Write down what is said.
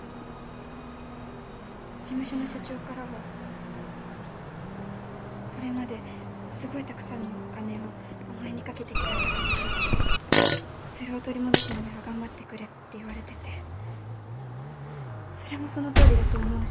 事務所の社長からは「これまですごいたくさんのお金をお前にかけてきたからそれを取り戻すまでは頑張ってくれ」って言われててそれもそのとおりだと思うし